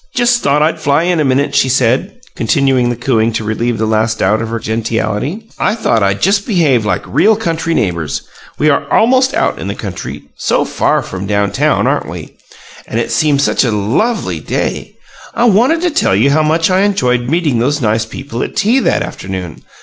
"Just thought I'd fly in a minute," she said, continuing the cooing to relieve the last doubt of her gentiality. "I thought I'd just behave like REAL country neighbors. We are almost out in the country, so far from down town, aren't we? And it seemed such a LOVELY day! I wanted to tell you how much I enjoyed meeting those nice people at tea that afternoon.